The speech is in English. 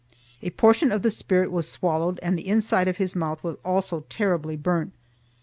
A portion of the spirit was swallowed and the inside of his mouth was also terribly burnt.